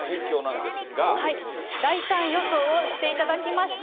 大胆予想をしていただきました。